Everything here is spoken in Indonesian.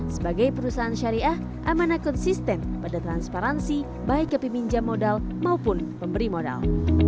sebagai perusahaan syariah amana konsisten pada transparansi baik kepiminjam modal maupun pemberi modal